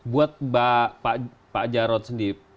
buat pak jarod sendiri